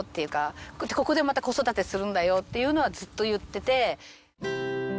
ここでまた子育てするんだよっていうのはずっと言ってて。